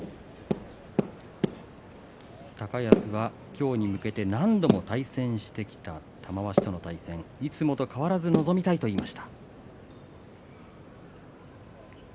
高安は今日に向けて何度も対戦してきた玉鷲との対戦いつもと変わらず臨みたいと話しました。